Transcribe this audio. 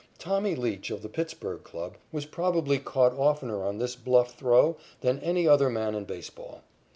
"Tommy" Leach of the Pittsburg club was probably caught oftener on this bluff throw than any other man in baseball.